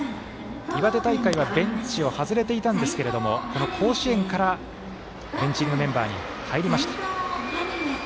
岩手大会はベンチを外れていたんですが甲子園から、ベンチ入りのメンバーに入りました。